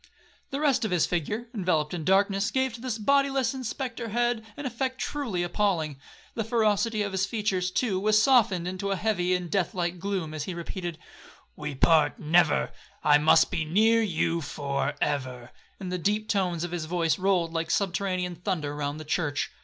The rest of his figure, enveloped in darkness, gave to this bodyless and spectre head an effect truly appalling. The ferocity of his features, too, was softened into a heavy and death like gloom, as he repeated, 'We part never,—I must be near you for ever,' and the deep tones of his voice rolled like subterranean thunder round the church.